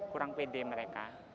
kurang pede mereka